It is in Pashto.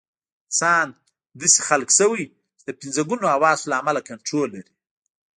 انسان داسې خلق شوی چې د پنځه ګونو حواسو له امله کنټرول لري.